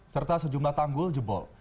serta sejumlah tanggul jebol